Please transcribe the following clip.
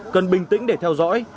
cần bình tĩnh để theo dõi